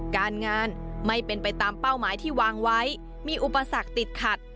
การงานไม่เป็นไปตามเป้าหมายที่วางไว้มีอุปสรรคติดขัด